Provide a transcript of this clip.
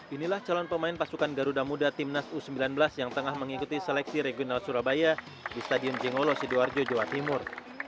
inilah calon pemain pasukan garuda muda timnas u sembilan belas yang tengah mengikuti seleksi regional surabaya di stadion jengolo sidoarjo jawa timur